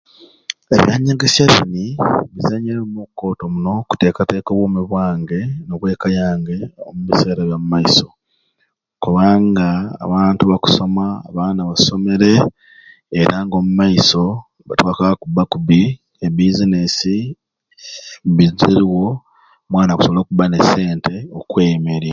Ebyanyegesya bini bizenyere omulumu gukooto muno okuteekateeka obwomi bwange n'eka yange omu biseera bya mu maiso kubanga abantu bakusoma abaana basomere era ng'omu maiso tebakwaba kubba kubbi ebbiizineesi ziriwo omwana akusobola okubba n'esente okweyemeerya.